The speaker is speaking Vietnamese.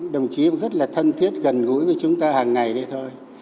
đồng chí cũng rất là thân thiết gần gũi với chúng ta hàng ngày đấy